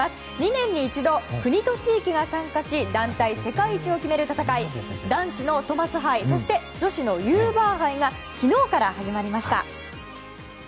２年に一度、国と地域が参加し団体世界一を決める戦い男子のトマス杯女子のユーバー杯が昨日から始まりました。